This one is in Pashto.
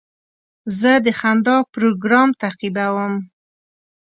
زه د خندا پروګرام تعقیبوم.